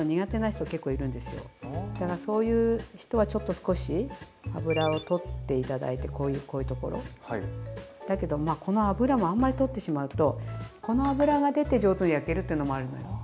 そういう人は少し脂を取って頂いてこういうところ。だけどこの脂もあんまり取ってしまうとこの脂が出て上手に焼けるっていうのもあるのよ。